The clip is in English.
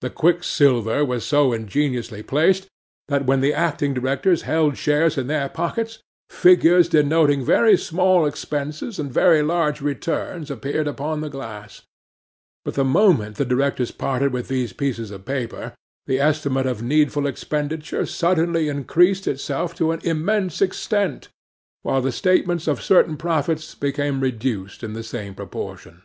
The quicksilver was so ingeniously placed, that when the acting directors held shares in their pockets, figures denoting very small expenses and very large returns appeared upon the glass; but the moment the directors parted with these pieces of paper, the estimate of needful expenditure suddenly increased itself to an immense extent, while the statements of certain profits became reduced in the same proportion.